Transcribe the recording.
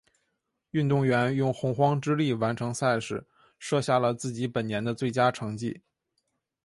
运动员用洪荒之力完成赛事，设下了自己本年的最佳成绩。